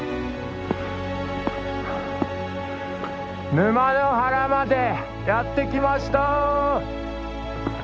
沼ノ原までやって来ました！